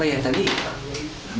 oh iya tadi bapak mau nanya soal ini